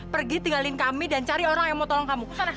pergi tinggalin kami dan cari orang yang mau tolong kamu